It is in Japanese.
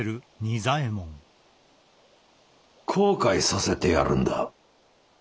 後悔させてやるんだ。